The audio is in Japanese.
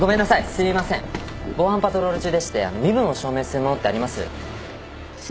すいません防犯パトロール中でして身分を証明するものってあります？